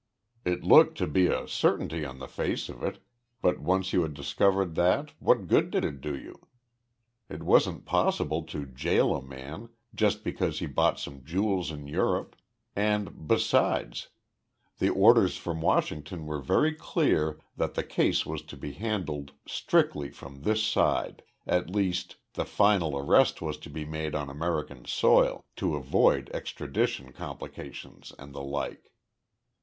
It looked to be a certainty on the face of it, but, once you had discovered that, what good did it do you? It wasn't possible to jail a man just because he bought some jewels in Europe and, besides, the orders from Washington were very clear that the case was to be handled strictly from this side at least, the final arrest was to be made on American soil, to avoid extradition complications and the like.